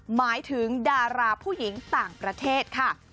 หมายถึงดาราผู้หญิงต่างประเทศค่ะ